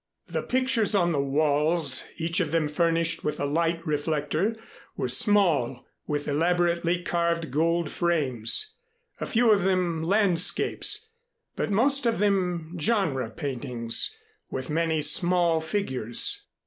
The pictures on the walls, each of them furnished with a light reflector, were small with elaborately carved gold frames a few of them landscapes, but most of them "genre" paintings, with many small figures.